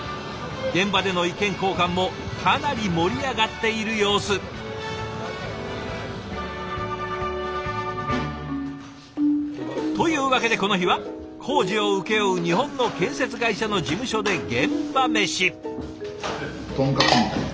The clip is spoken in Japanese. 現場での意見交換もかなり盛り上がっている様子。というわけでこの日は工事を請け負う日本の建設会社の事務所で現場メシ！